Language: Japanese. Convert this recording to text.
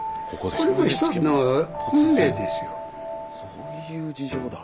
そういう事情だ。